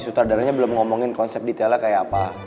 sutradaranya belum ngomongin konsep detailnya kayak apa